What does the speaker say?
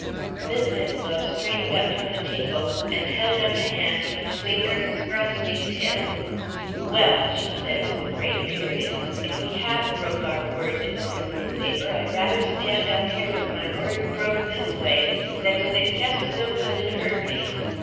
Mis' Winslow straightened up from the table and held out a hand with fingers frosting tipped. "Well," she said, with a great period, "if we have broke our word to the Christmas paper, I'd rather stand up here with my word broke this way than with it kept so good it hurt me.